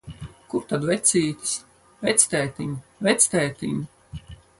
Kur tad vecītis? Vectētiņ, vectētiņ!